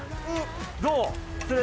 どう？